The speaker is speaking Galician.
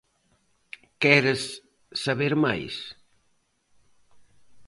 Queres saber máis?